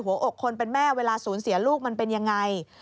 หัวอกคนเป็นแม่เวลาสูญเสียลูกมันเป็นยังไง